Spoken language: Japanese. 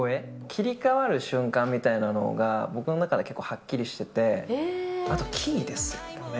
切り替わる瞬間みたいなのが僕の中で、結構はっきりしてて、あとキーですよね。